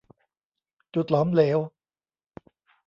จุดหลอมเหลว